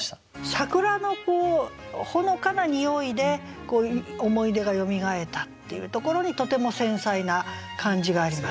桜のほのかな匂いで思い出がよみがえったっていうところにとても繊細な感じがあります。